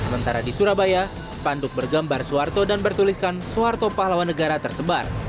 sementara di surabaya spanduk bergambar soeharto dan bertuliskan soeharto pahlawan negara tersebar